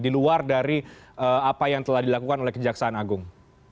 di luar dari apa yang telah dilakukan oleh kejaksaan agung